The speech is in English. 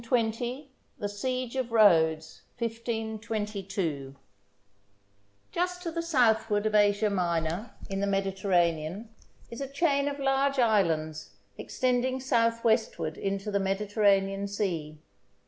THE SIEGE OF RHODES, 1522 JUST to the southward of Asia Minor, in the Mediterranean, is a chain of large islands extending southwestward into the Mediter ranean Sea.